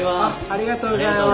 ありがとうございます。